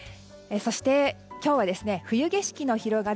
そして、今日は冬景色の広がる